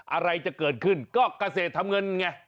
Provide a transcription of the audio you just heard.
อะไรจะเกิดขึ้นก็เกษตรทำเงินไง